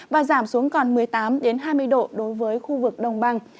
và giảm xuống còn một mươi tám hai mươi độ đối với khu vực đồng bằng